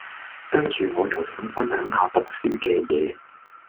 跟住我又想分享下讀書嘅嘢